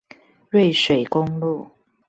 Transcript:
瑞水公路